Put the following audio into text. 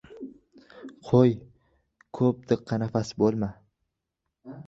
Qo‘y, ko‘p diqqinafas bo‘lma.